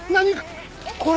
これ！